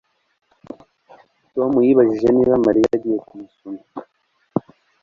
Tom yibajije niba Mariya agiye kumusoma